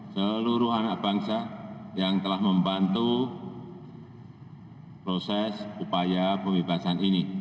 seluruh anak bangsa yang telah membantu proses upaya pembebasan ini